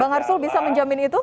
bang arsul bisa menjamin itu